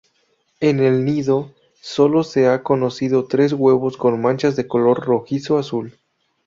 En el nido sólo se ha conocido tres huevos con manchas de color rojizo-azul.